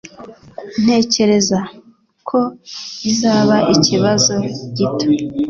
Ntekereza ko bizaba ikibazo gito